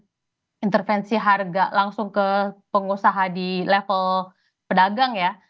jadi pemerintah tidak bisa melakukan intervensi harga langsung ke pengusaha di level pedagang ya